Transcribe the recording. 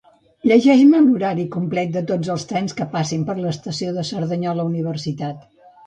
Llegeix-me l'horari complet de tots els trens que passin per l'estació de Cerdanyola-Universitat.